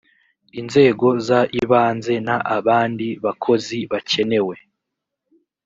inzego z ibanze n abandi bakozi bakenewe